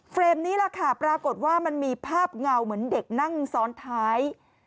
นี้แหละค่ะปรากฏว่ามันมีภาพเงาเหมือนเด็กนั่งซ้อนท้าย